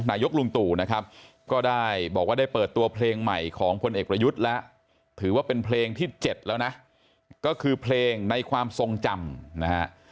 ในความทรงจำนะฮะ